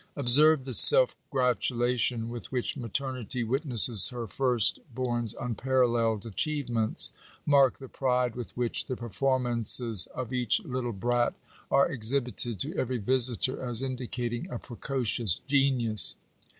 Observe the self gratulation with which maternity witnesses Digitized by VjOOQIC NATIONAL EDUCATION. 885 her first born's unparalleled achievements. Mark the pride with which the performances of each little brat are exhibited j to every visitor as indicating a precocious genius.